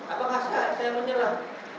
apakah saya menyerah